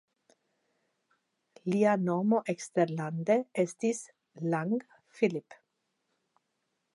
Lia nomo eksterlande estis "Lang Philipp".